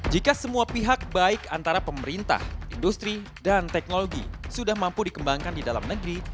jika semua pihak baik antara pemerintah industri dan teknologi sudah mampu dikembangkan di dalam negeri